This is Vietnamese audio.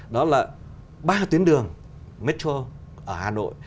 đó là ba tuyến đường metro ở hà nội